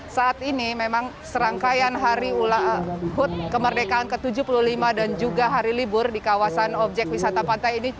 saat ini memang serangkaian hari hud kemerdekaan ke tujuh puluh lima dan juga hari libur di kawasan objek wisata pantai ini